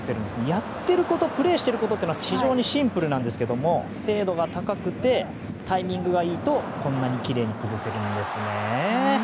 やってることプレーしていることは非常にシンプルなんですが精度が高くてタイミングがいいとこんなにきれいに崩せるんです。